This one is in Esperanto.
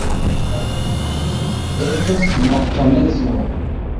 Estos noktomezo.